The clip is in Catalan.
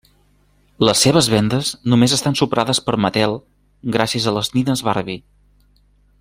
Les seves vendes només estan superades per Mattel, gràcies a les nines Barbie.